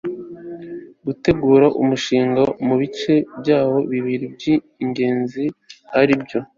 Gutegura umushinga mu bice byawo bibiri by ingenzi aribyo